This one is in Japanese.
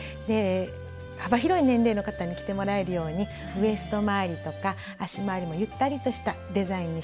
幅広い年齢の方に着てもらえるようにウエストまわりとか足まわりもゆったりとしたデザインにしています。